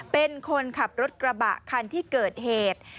เป็นคนขับรถกระบะคันที่เกิดเหตุ